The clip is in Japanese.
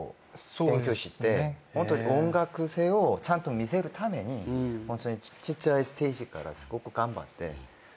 ホントに音楽性をちゃんと見せるためにちっちゃいステージからすごく頑張って。